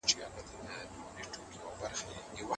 د خلکو د هویت سپکاوی مه کوه.